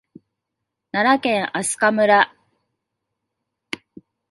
奈良県明日香村